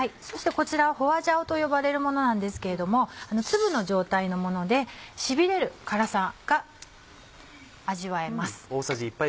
そしてこちらは花椒と呼ばれるものなんですけれども粒の状態のものでしびれる辛さが味わえます。